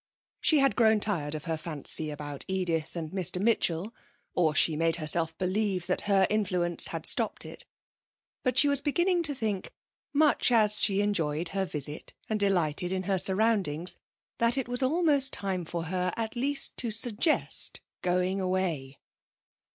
She had grown tired of her fancy about Edith and Mr Mitchell, or she made herself believe that her influence had stopped it. But she was beginning to think, much as she enjoyed her visit and delighted in her surroundings, that it was almost time for her at least to suggest going away.